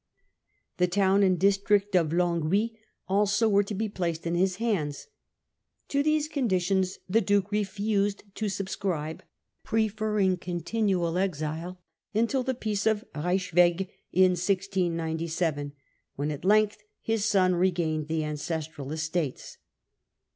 The town and district of Longwy also were to be placed in his hands. To these conditions the Duke refused to subscribe, preferring continual exile until the Peace of Ryswick in 1697, when at length his son regained the ancestral estates.